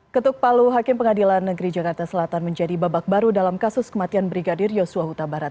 ketuk palu hakim pengadilan negeri jakarta selatan menjadi babak baru dalam kasus kematian brigadir yosua huta barat